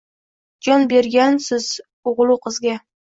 Jon bergansiz ugilu qizga